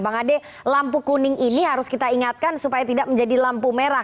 bang ade lampu kuning ini harus kita ingatkan supaya tidak menjadi lampu merah